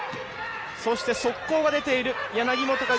そして、速攻が出ている。